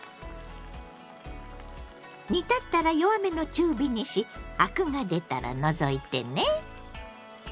煮立ったら弱めの中火にしアクが出たら除いてね。